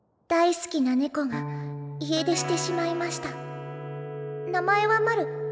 「大好きな猫が家出してしまいました名前はマル。